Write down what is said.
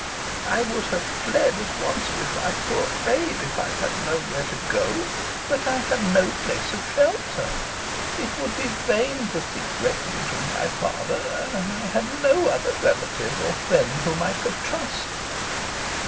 I would have fled at once with my poor babe if I had known where to go; but I had no place of shelter. It would be in vain to seek refuge with my father; and I had no other relative or friend whom I could trust.